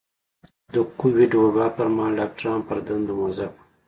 د کوويډ وبا پر مهال ډاکټران پر دندو مؤظف وو.